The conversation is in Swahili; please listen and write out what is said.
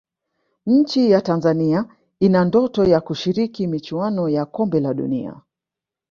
nchi ya Tanzania ina ndoto ya kushiriki michuano ya kombe la dunia